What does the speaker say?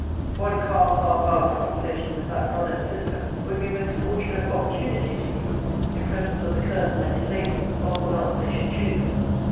One calm half hour's conversation with that brother and sister, would be a most fortunate opportunity to me, in presence of the Colonel and his lady, or whom else they should choose.